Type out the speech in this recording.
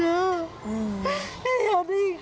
ไม่ได้ยินคำนี้อีก